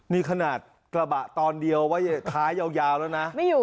นี่ขนาดกระบะตอนเดียวไว้ท้ายยาวแล้วนะ